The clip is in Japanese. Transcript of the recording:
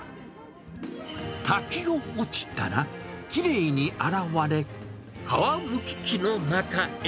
滝を落ちたらきれいに洗われ、皮むき器の中へ。